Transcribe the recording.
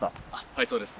はいそうです